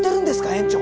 園長。